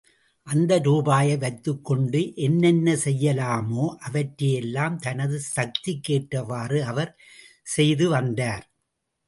அந்த ரூபாயை வைத்துக் கொண்டு என்னென்ன செய்யலாமோ அவற்றையெல்லாம் தனது சக்திக்கேற்றவாறு அவர் செய்துவந்தார்.